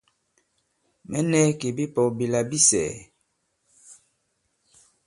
Mɛ̌ nɛ̄ kì bipɔ̄k bila bi sɛ̀ɛ̀.